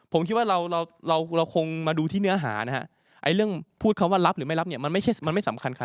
ผมคิดว่าเราเราคงมาดูที่เนื้อหานะฮะไอ้เรื่องพูดคำว่ารับหรือไม่รับเนี่ยมันไม่ใช่มันไม่สำคัญค่ะ